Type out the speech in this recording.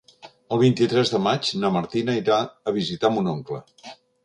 El vint-i-tres de maig na Martina irà a visitar mon oncle.